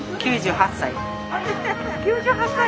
９８歳！